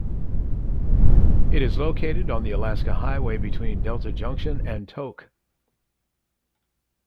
It is located on the Alaska Highway between Delta Junction and Tok.